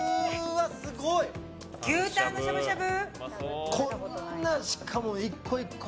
すごい！牛タンのしゃぶしゃぶ！